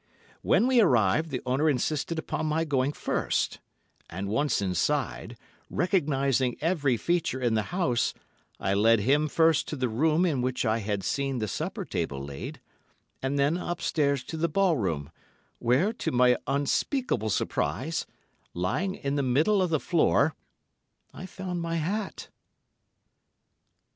When we arrived, Mr. C.—— insisted upon my going first; and once inside, recognising every feature in the house, I led him first to the room in which I had seen the supper table laid, and then upstairs to the ball room, where, to my unspeakable surprise, lying in the middle of the floor, I found my hat.